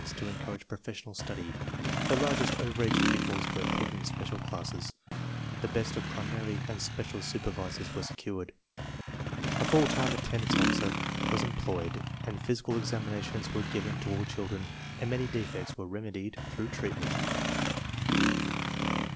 to encourage professional study, the largest over age pupils were put in special classes, the best of primary and special supervisors 98 TESTS IN SCHOOLS OF A SMALL CITY 93 were secured, a full time attendance officer was em ployed, and physical examinations were given to all children and many defects were remedied through treatment.